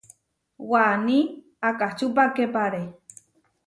Waní akačupakepare.